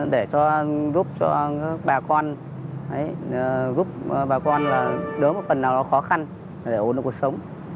để giúp cho bà con giúp bà con đối với một phần nào đó khó khăn để ổn định cuộc sống